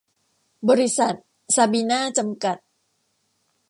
บริษัท ซาบีน่า จำกัด